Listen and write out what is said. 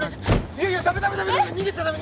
いやいやダメダメダメダメ！